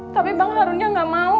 tapi bang harunnya nggak mau